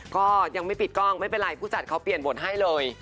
ก็ยังไม่ปิดกล้องไม่เป็นไรผู้จัดเขาเปลี่ยนบทให้เลย